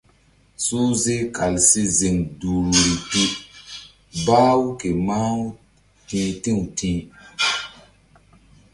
Suhze kal si ziŋ duhri pi bah-u ke mah-u ti̧h ti̧w ti̧h.